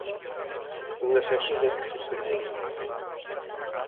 Unhas axudas que se perderían.